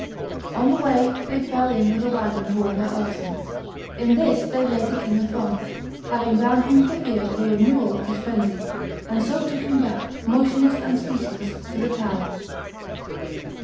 On the way they fell in with a wagon drawn by oxen; in this they laid the King of France, having bound him for fear of a renewal of his frenzy, and so took him back, motionless and speechless, to the town."